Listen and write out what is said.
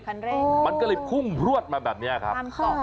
ควรกอยู่ภูมิพรวดมาแบบนี้ครับ